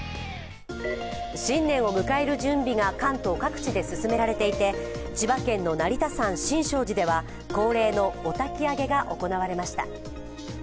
新年を迎える準備が関東各地で進められていて千葉県の成田山新勝寺では恒例のお焚き上げが行われました。